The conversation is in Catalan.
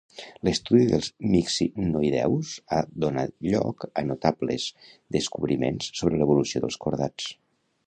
L'estudi dels mixinoïdeus ha donat lloc a notables descobriments sobre l'evolució dels cordats.